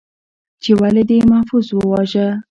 ، چې ولې دې محفوظ وواژه؟